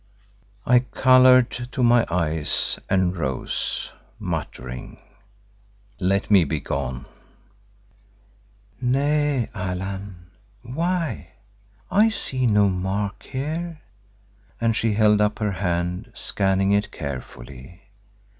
I coloured to my eyes and rose, muttering, "Let me be gone!" "Nay, Allan, why? I see no mark here," and she held up her hand, scanning it carefully.